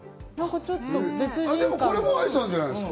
これも愛さんじゃないですか？